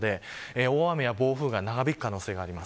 大雨や暴風が長引く可能性があります。